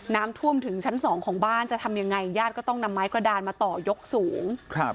น้ำท่วมถึงชั้นสองของบ้านจะทำยังไงญาติก็ต้องนำไม้กระดานมาต่อยกสูงครับ